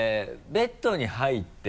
ベッドに入って。